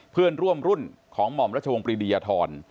เพื่อนร่วมรุ่นของหม่อมรัชวงศรียธร